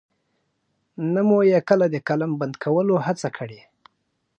نه مو يې کله د قلم بند کولو هڅه کړې.